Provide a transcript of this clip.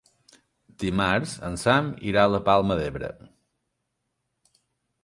Dimarts en Sam irà a la Palma d'Ebre.